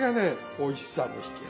おいしさの秘けつ。